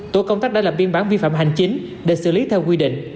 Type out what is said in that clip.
tổ công tác đã làm biên bán vi phạm hành chính để xử lý theo quy định